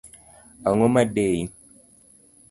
Ang’o madei?